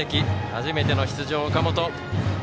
初めての出場、岡元。